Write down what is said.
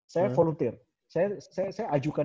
saya volunteer saya ajukan